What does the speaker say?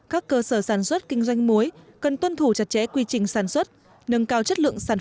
các cơ sở sản xuất kinh doanh muối cần tuân thủ chặt chẽ quy trình sản xuất nâng cao chất lượng sản